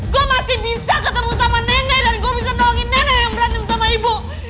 gue masih bisa ketemu sama nenek dan gue bisa nolongin nenek yang berantem sama ibu